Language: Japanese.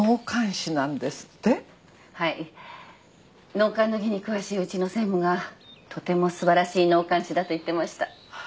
納棺の儀に詳しいうちの専務がとても素晴らしい納棺師だと言ってました。